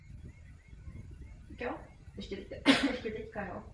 Významnou měrou zbavila český národ nedůvěry ve vlastní schopnosti a síly.